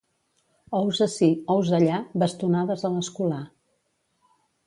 Ous ací, ous allà, bastonades a l'escolà.